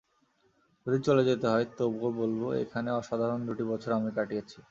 যদি চলে যেতে হয়, তবুও বলব এখানে অসাধারণ দুটি বছর আমি কাটিয়েছি।